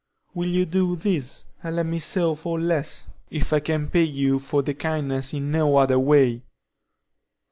Will you do this, and let me sew for less, if I can pay you for the kindness in no other way?"